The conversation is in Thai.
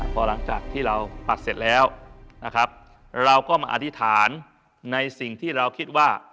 พอหลังจากที่เราปักเสร็จแล้วนะครับเราก็มาอธิษฐานในสิ่งที่เราคิดว่า